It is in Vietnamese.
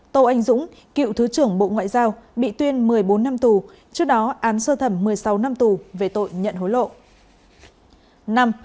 bốn tô anh dũng cựu thứ trưởng bộ ngoại giao bị tuyên một mươi bốn năm tù trước đó án sơ thẩm một mươi sáu năm tù về tội nhận hối lộ